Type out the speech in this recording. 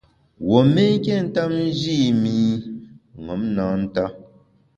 Wuo mé nké ntap nji i mi ṅom na nta.